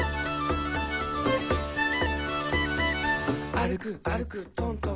「あるくあるくとんとんと」